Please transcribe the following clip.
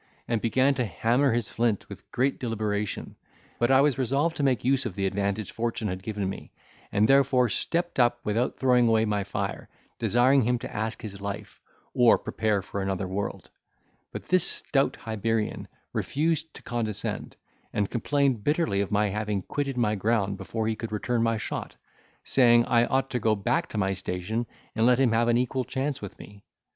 and began to hammer his flint with great deliberation. But I was resolved to make use of the advantage fortune had given me, and therefore stepped up without throwing away my fire, desiring him to ask his life, or prepare for another world; but this stout Hibernian refused to condescend, and complained bitterly of my having quitted my ground before he could return my shot: saying I ought to go back to my station, and let him have an equal chance with me.